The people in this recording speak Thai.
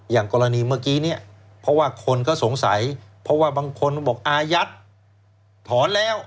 อย่างกรณีเมื่อกี้เนี่ยเพราะว่าคนก็สงสัยเพราะว่าบางคนก็บอกอายัดถอนแล้ว